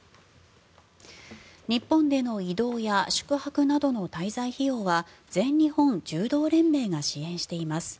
日本での移動や宿泊などの滞在費用は全日本柔道連盟が支援しています。